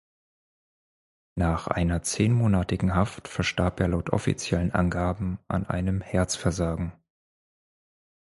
Nach einer zehnmonatigen Haft verstarb er laut offiziellen Angaben an einem Herzversagen.